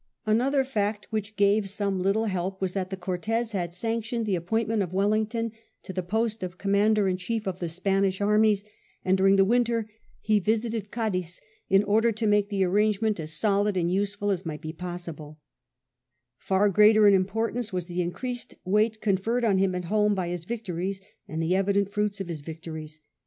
Another fact, which gave some little help, wail that the Cortes had sanctioned the appointment of Wellington to the post of Commander in Chiel of the Spanish armies ; and during the winter he Tisited Cadiz in order to make the arrangement as solid and nsefol as might be possibla Far greater in importance was the increased weight conferred on him at home by his victories and the evident f mits of his victories.